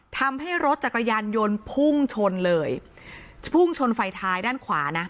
ทำให้รถจักรยานยนต์พุ่งชนเลยพุ่งชนไฟท้ายด้านขวานะ